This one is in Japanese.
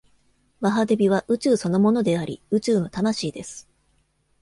マハデヴィは宇宙そのものであり、宇宙の魂です。